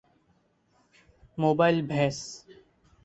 mobile Vyas